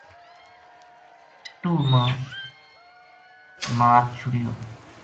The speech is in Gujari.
ٹوہ ما مار چھڑیو